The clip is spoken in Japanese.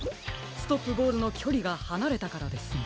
ストップボールのきょりがはなれたからですね。